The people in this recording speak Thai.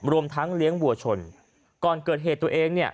รวมทั้งเลี้ยงวัวชนก่อนเกิดเหตุตัวเองเนี่ย